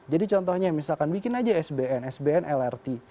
jadi contohnya misalkan bikin aja sbn sbn lrt